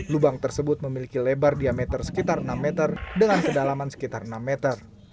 lubang tersebut memiliki lebar diameter sekitar enam meter dengan kedalaman sekitar enam meter